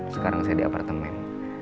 sekarang saya di apartemen